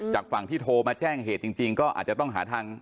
จากฝั่งที่โทรมาแจ้งเหตุจริงก็อาจจะต้องหาทาง